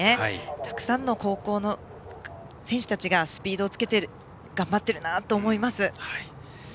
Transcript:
たくさんの高校の選手たちがスピードをつけて頑張っているなと思います。